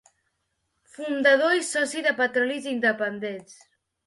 Fundador i soci de Petrolis Independents.